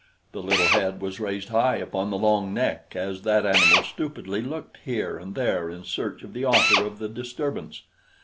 The little head was raised high upon the long neck as the animal stupidly looked here and there in search of the author of the disturbance.